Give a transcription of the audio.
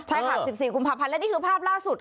ใช่ค่ะ๑๔กุมภาพันธ์และนี่คือภาพล่าสุด